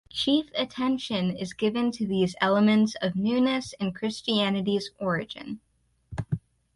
Chief attention is given to these elements of newness in Christianity's origin.